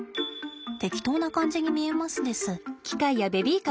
適当な感じに見えますです。